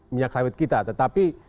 minyak sawit kita tetapi